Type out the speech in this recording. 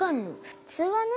普通はね。